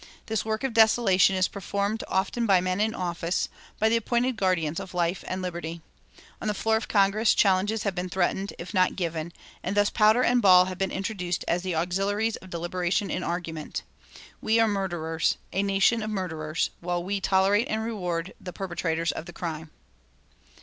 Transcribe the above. This work of desolation is performed often by men in office, by the appointed guardians of life and liberty. On the floor of Congress challenges have been threatened, if not given, and thus powder and ball have been introduced as the auxiliaries of deliberation and argument.... We are murderers a nation of murderers while we tolerate and reward the perpetrators of the crime."